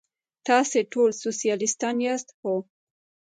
تاسې ټول سوسیالیستان یاست؟ هو.